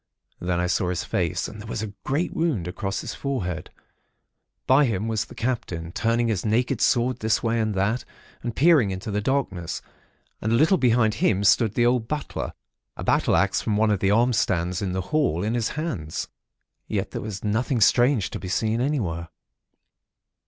Then I saw his face, and there was a great wound across his forehead. By him was the Captain, turning his naked sword this way and that, and peering into the darkness; and a little behind him stood the old butler, a battle axe from one of the arm stands in the hall, in his hands. Yet there was nothing strange to be seen anywhere.